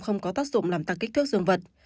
không có tác dụng làm tăng kích thước dương vật